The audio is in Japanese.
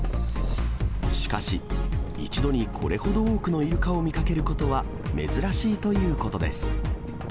しかし、一度にこれほど多くのイルカを見かけることは珍しいということです。